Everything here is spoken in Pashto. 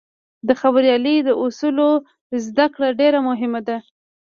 د خبریالۍ د اصولو زدهکړه ډېره مهمه ده.